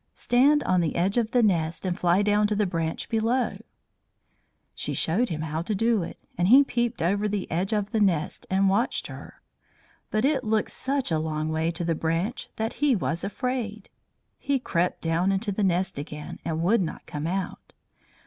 "Stand on the edge of the nest and fly down to the branch below." She showed him how to do it, and he peeped over the edge of the nest and watched her. But it looked such a long way to the branch that he was afraid. He crept down into the nest again and would not come out.